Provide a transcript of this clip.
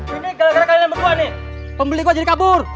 ini gara gara kalian berdua nih pembeli kok jadi kabur